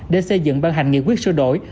để xây dựng ban hành nghị quyết sửa đổi